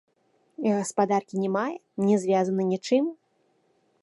Гаспадаркі не мае, не звязана нічым.